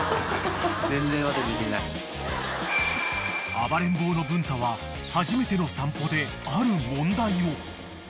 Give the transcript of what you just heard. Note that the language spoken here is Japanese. ［暴れん坊の文太は初めての散歩である問題を］